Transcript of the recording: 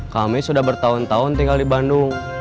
kami sudah bertahun tahun tinggal di bandung